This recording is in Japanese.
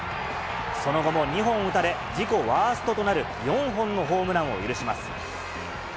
その後も２本打たれ、自己ワーストとなる４本のホームランを許します。